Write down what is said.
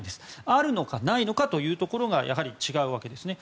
あるのかないのかというところが違うわけですね。